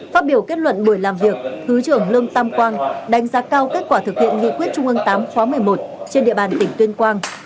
phát biểu kết luận buổi làm việc thứ trưởng lương tam quang đánh giá cao kết quả thực hiện nghị quyết trung ương tám khóa một mươi một trên địa bàn tỉnh tuyên quang